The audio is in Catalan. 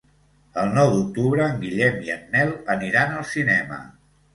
El nou d'octubre en Guillem i en Nel aniran al cinema.